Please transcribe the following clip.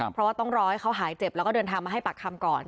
เพราะว่าต้องรอให้เขาหายเจ็บแล้วก็เดินทางมาให้ปากคำก่อน